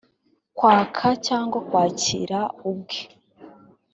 kwaka cyangwa kwakira ubwe